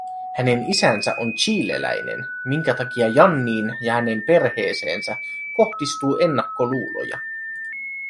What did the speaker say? Hänen isänsä on chileläinen, minkä takia Janniin ja hänen perheeseensä kohdistuu ennakkoluuloja